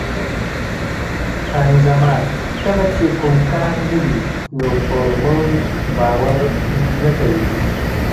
خان زمان: کله چې کوم کار نه وي نو پر موږ باور نه کوي.